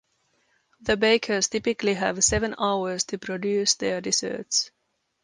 The bakers typically have seven hours to produce their desserts.